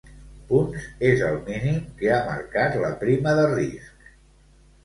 Punts és el mínim que ha marcat la prima de risc.